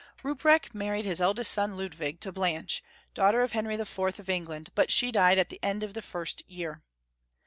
Ruprecht married his eldest son, Ludwig, to Blanche, daughter of Henry IV. of England, but she died at the end of the first year.